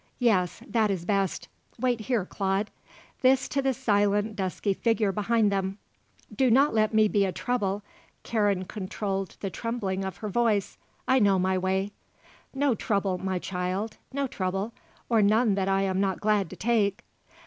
Yes; that is best. Wait here, Claude." This to the silent, dusky figure behind them. "Do not let me be a trouble." Karen controlled the trembling of her voice. "I know my way." "No trouble, my child; no trouble. Or none that I am not glad to take."